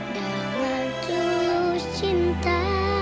dengan tulus cinta